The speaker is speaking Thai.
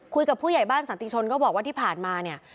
ผู้ใหญ่บ้านสันติชนก็บอกว่าที่ผ่านมาเนี่ย